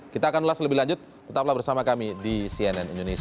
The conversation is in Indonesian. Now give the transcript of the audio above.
kita akan ulas lebih lanjut tetaplah bersama kami di cnn indonesia